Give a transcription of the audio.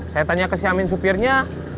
saya tanya ke si amin supirnya